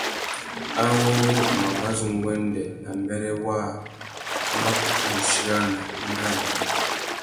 Awô wu mangazu nguêndê nà mbêrê waā a mà kutu mù chirana wá ingānamú.